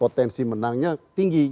potensi menangnya tinggi